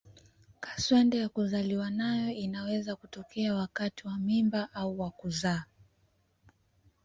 Kaswende ya kuzaliwa nayo inaweza kutokea wakati wa mimba au wa kuzaa.